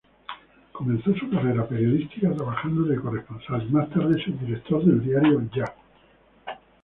Comenzó su carrera periodística trabajando de corresponsal y más tarde subdirector del diario "Ya".